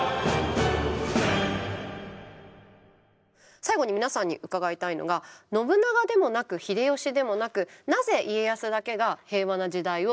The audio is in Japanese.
最後に皆さんに伺いたいのが信長でもなく秀吉でもなくなぜ家康だけが平和な時代を実現できたのか？